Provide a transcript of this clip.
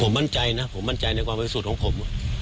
ผมมั่นใจนะผมมั่นใจในความบริสุทธิ์ของผม